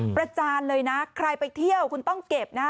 จานเลยนะใครไปเที่ยวคุณต้องเก็บนะ